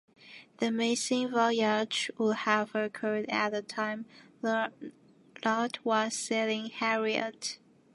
The missing voyage would have occurred at the time Luard was sailing "Harriot".